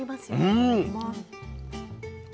うん。